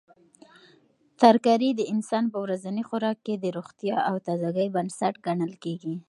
ترکاري د انسان په ورځني خوراک کې د روغتیا او تازګۍ بنسټ ګڼل کیږي.